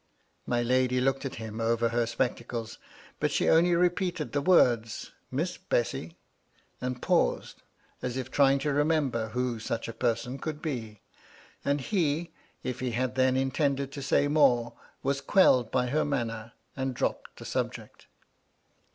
My lady looked at him ^over her spectacles : but she only repeated the words " Miss Bessy," and paused, as if trying to remember who such a person could be ; and he, if he had then intended to say more, was quelled by her manner, and dropped the subject.